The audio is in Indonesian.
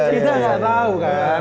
kita gak tau kan